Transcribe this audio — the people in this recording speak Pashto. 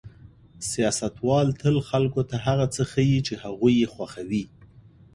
سیاستوال تل خلکو ته هغه څه ښيي چې هغوی یې خوښوي.